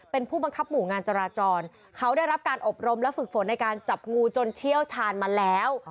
เป็นผู้บังคับหมู่งานจราจรเขาได้รับการอบรมและฝึกฝนในการจับงูจนเชี่ยวชาญมาแล้ว